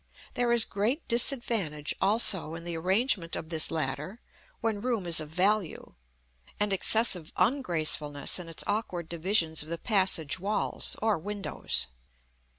There is great disadvantage, also, in the arrangement of this latter, when room is of value; and excessive ungracefulness in its awkward divisions of the passage walls, or windows.